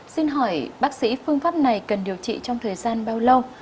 xin hỏi bác sĩ phương pháp này cần điều trị trong thời gian bao lâu